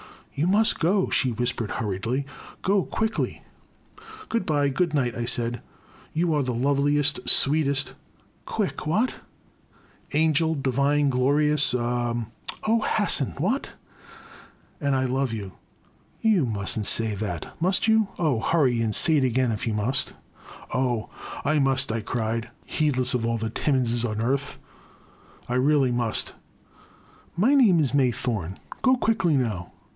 You must go !" she whispered hurriedly, — go quickly !"Good bye, — good night," I said, you are the loveliest, sweetest "Quick,— what?" Angel, — divine, glorious, — er "Oh, hasten! What?" " And I love you !" "You must n't say that; — ^must you? Oh, hurry and say it again — if you must "Oh, I must !" I cried, heedless of all the Timminses on earth, I really must "'* My name is May Thome — go quickly now."